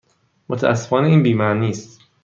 متاسفانه این بی معنی است.